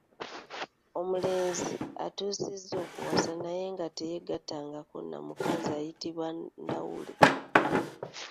Omulenzi atuusizza okuwasa naye nga teyeegattangako na mukazi ayitibwa ndawule.